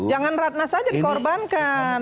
jangan ratna saja dikorbankan